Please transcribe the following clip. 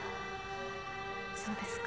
そうですか。